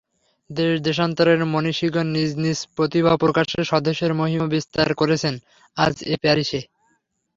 দেশ-দেশান্তরের মনীষিগণ নিজ নিজ প্রতিভাপ্রকাশে স্বদেশের মহিমা বিস্তার করছেন, আজ এ প্যারিসে।